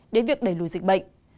đến việc đẩy lùi dịch bệnh